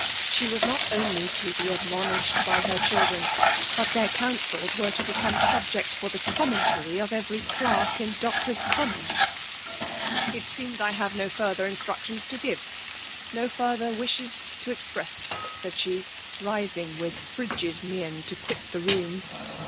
She was not only to be admonished b^ her children ; but their counsels were to become* subject for the commentary of every clerk in Doctors' Commons, " It seems I have no further instructions to' give, no further wishes to expiress," said she, rising with frigid mien to quit the room.